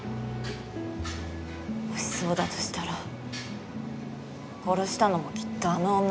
もしそうだとしたら殺したのもきっとあの女です。